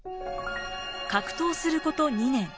格闘すること２年。